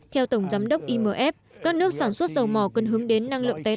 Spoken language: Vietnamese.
theo tổng giám đốc imf các nước sản xuất dầu mỏ cần hướng đến năng lượng tái tạo